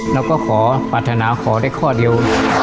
แล้วก็ธเนาของของได้ข้อเดียว